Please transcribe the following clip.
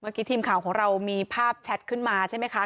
เมื่อกี้ทีมข่าวของเรามีภาพแชทขึ้นมาใช่ไหมค่ะ